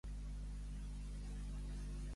Rajoy es nega a parlar amb Torra però truca a Colau.